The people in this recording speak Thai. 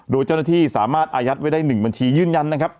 โดยเจ้าหน้าที่สามารถอายัดไว้ได้๑บัญชียืนยันนะครับ